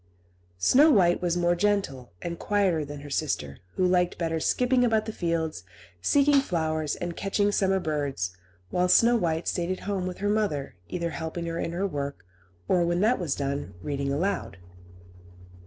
Snow White was more gentle, and quieter than her sister, who liked better skipping about the fields, seeking flowers, and catching summer birds; while Snow White stayed at home with her mother, either helping her in her work, or, when that was done, reading aloud.